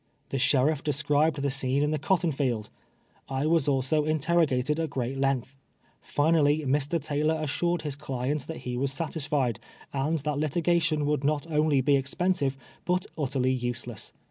The sheriff de scribed the scene in the cotton field. I was also interrogated at great length. Finally, Mr. Taylor assured his client that he was satisfied, and that liti gation would not only be expensive, but utterly use less.